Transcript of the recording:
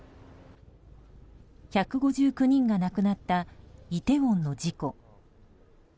１５９人が亡くなったイテウォンの事故。